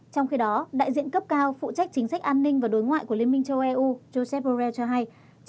trong khi đó đại diện cấp cao phụ trách chính sách an ninh và đối ngoại của liên minh châu âu joseph borrell cho hay